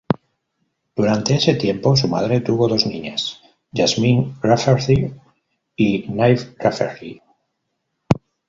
Durante ese tiempo, su madre tuvo dos niñas: Jasmin Rafferty y Neve Rafferty.